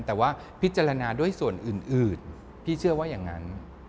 แต่ว่าพิจารณาด้วยส่วนอื่นพี่เชื่อว่าอย่างนั้น